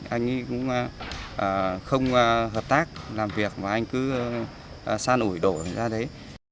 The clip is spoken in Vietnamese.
anh ấy cũng không hợp tác làm việc và anh cứ săn ủi đổ ra đấy